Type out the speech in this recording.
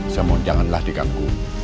saya mohon janganlah dikaku